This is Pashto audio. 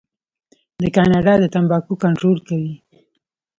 کاناډا د تمباکو کنټرول کوي.